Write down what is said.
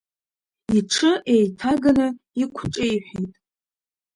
Иҽы еиҭаганы иқәҿеиҳәеит.